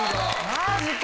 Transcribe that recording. ・マジか！